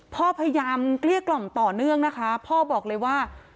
พ่อพยายามเกลี้ยกล่อมต่อเนื่องนะคะพ่อบอกเลยว่า